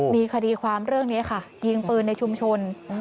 มีคดีความเรื่องนี้ค่ะยิงปืนในชุมชน